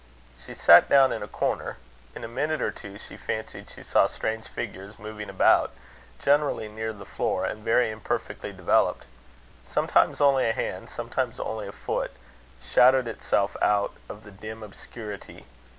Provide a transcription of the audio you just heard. She sat down in a corner. In a minute or two, she fancied she saw strange figures moving about, generally near the floor, and very imperfectly developed. Sometimes only a hand, sometimes only a foot, shadowed itself out of the dim obscurity.